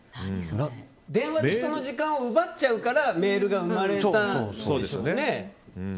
電話で人の時間を奪っちゃうからメールが生まれたんですよね。